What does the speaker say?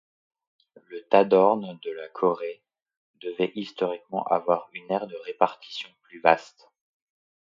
Le Tadorne de Corée devait historiquement avoir une aire de répartition plus vaste.